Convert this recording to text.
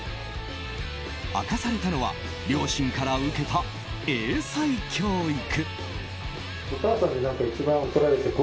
明かされたのは両親から受けた英才教育。